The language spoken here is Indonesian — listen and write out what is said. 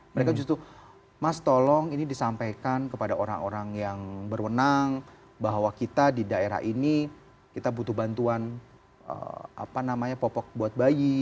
mereka justru mas tolong ini disampaikan kepada orang orang yang berwenang bahwa kita di daerah ini kita butuh bantuan popok buat bayi